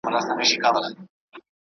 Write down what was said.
ځان ته مو پام وکړئ ځکه تاسو مهم یاست.